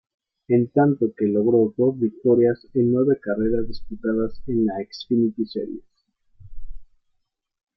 En tanto que logró dos victorias en nueve carreras disputadas en la Xfinity Series.